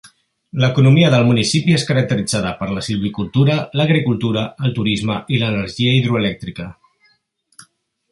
L'economia del municipi és caracteritzada per la silvicultura, l'agricultura, el turisme i l'energia hidroelèctrica.